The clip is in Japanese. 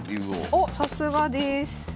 おっさすがです。